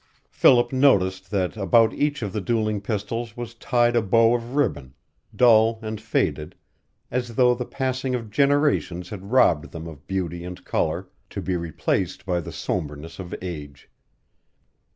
Philip noticed that about each of the dueling pistols was tied a bow of ribbon, dull and faded, as though the passing of generations had robbed them of beauty and color, to be replaced by the somberness of age.